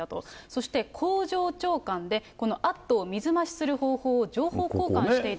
そして工場長間で、このアットを水増しする方法を情報交換していたと。